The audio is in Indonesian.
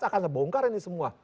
saya akan bongkar ini semua